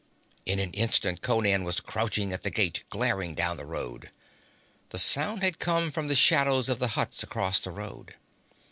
In an instant Conan was crouching at the gate, glaring down the road. The sound had come from the shadows of the huts across the road.